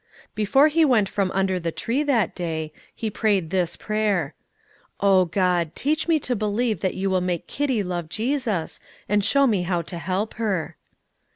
Before he went from under the tree that day, he prayed this prayer: "O God, teach me to believe that you will make Kitty love Jesus, and show me how to help her."